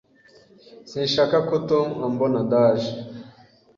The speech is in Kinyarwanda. Sinshaka ko Tom ambona ndaje.